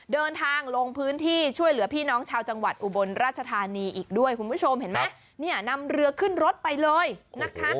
เดินทางลงพื้นที่ช่วยเหลือพี่น้องชาวจังหวัดอุบลราชธานีอีกด้วยคุณผู้ชมเห็นไหมเนี่ยนำเรือขึ้นรถไปเลยนะคะ